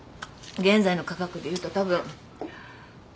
現在の価格で言うとたぶん。